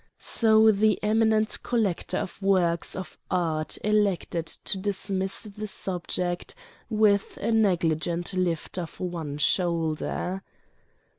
So the eminent collector of works of art elected to dismiss the subject with a negligent lift of one shoulder.